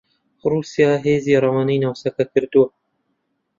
رووسیا هێزی رەوانەی ناوچەکە کردووە